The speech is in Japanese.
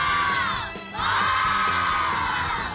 お！